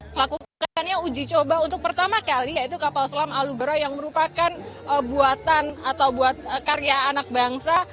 melakukannya uji coba untuk pertama kali yaitu kapal selam alubero yang merupakan buatan atau buat karya anak bangsa